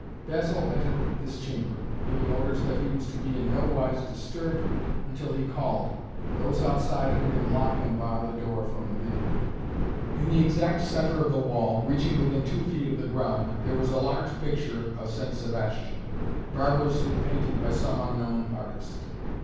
Basil entered this chamber, giving orders that he was to be in no wise disturbed until he called and those outside heard him lock and bar the door from within. In the exact centre of the wall, reaching within two feet of the ground, there was a large picture of St. Sebastian, barbarously painted by some unknown artist.